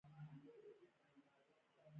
د هلمند بست د نړۍ لوی خټین ارک دی